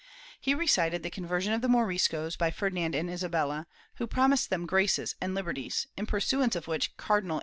He recited the conversion of the Moriscos by Ferdinand and Isabella, who promised them graces and liberties, in pursuance of which ' Archive de Simancas, Inq., Lib.